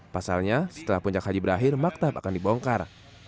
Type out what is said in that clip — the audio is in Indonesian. pasalnya setelah puncak haji berakhir maktab akan dibongkar